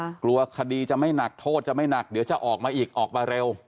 กลัวคดีจะไม่หนักโทษจะไม่หนักเดี๋ยวจะออกมาอีกออกมาเร็ว